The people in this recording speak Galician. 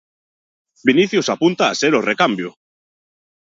Vinicius apunta a ser o recambio.